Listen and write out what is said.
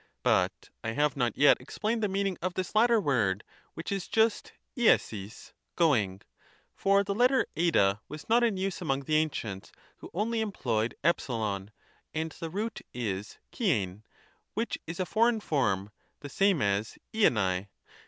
But I have not yet explained the meaning of this latter word, which is just Ieok; (going) ; for the letter ?/ was not in use among the ancients, who only employed e ; and the root is KiELv, which is a foreign form, the same as Itvai.